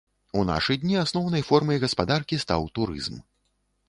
У нашы дні асноўнай формай гаспадаркі стаў турызм.